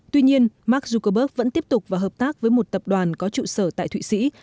tuy nhiên mark zuckerberg vẫn tiếp tục và hợp tác với một tập đoàn có trụ sở tại thụy sĩ